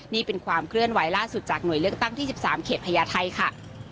นี่เป็นความเคลื่อนไหวล่าสุดจากหน่วยเลือกตั้งที่๑๓เขตพญาไทยค่ะ